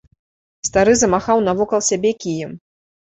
Стары замахаў навокал сябе кіем.